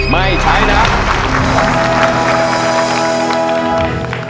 ไม่ใช้นะครับ